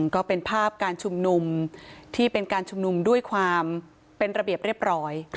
ก็เป็นภาพการชุมนุมที่เป็นการชุมนุมด้วยความเป็นระเบียบเรียบร้อย